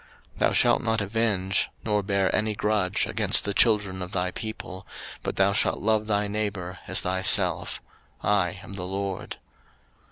03:019:018 Thou shalt not avenge, nor bear any grudge against the children of thy people, but thou shalt love thy neighbour as thyself: I am the LORD.